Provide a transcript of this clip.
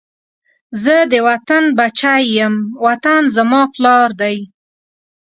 زه د وطن بچی یم، وطن زما پلار دی